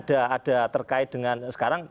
ada terkait dengan sekarang